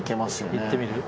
行ってみる？